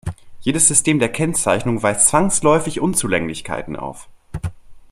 Jedes System der Kennzeichnung weist zwangsläufig Unzulänglichkeiten auf.